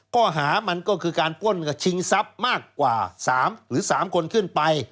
ข้อหามันก็คือการป้นกับชิงทรัพย์มากกว่า๓หรือ๓คนขึ้นไป